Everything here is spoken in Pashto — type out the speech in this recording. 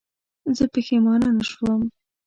زه پښېمانه نه شوم.